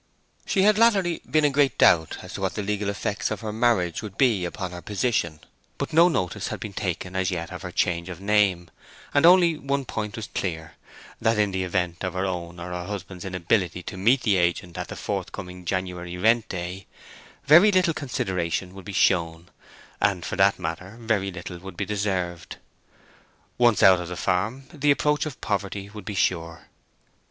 She had latterly been in great doubt as to what the legal effects of her marriage would be upon her position; but no notice had been taken as yet of her change of name, and only one point was clear—that in the event of her own or her husband's inability to meet the agent at the forthcoming January rent day, very little consideration would be shown, and, for that matter, very little would be deserved. Once out of the farm, the approach of poverty would be sure.